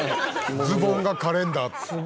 ズボンがカレンダー」